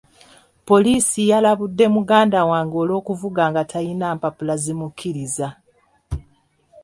Poliisi yalabudde muganda wange olw'okuvuga nga talina mpapula zimukkiriza.